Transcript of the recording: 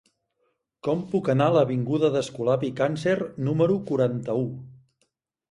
Com puc anar a l'avinguda d'Escolapi Càncer número quaranta-u?